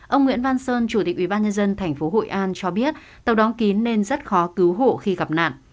ông nguyễn văn sơn chủ tịch ubnd tp hội an cho biết tàu đóng kín nên rất khó cứu hộ khi gặp nạn